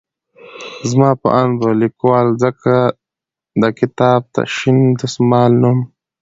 زما په اند به ليکوال ځکه د کتاب ته شين دسمال نوم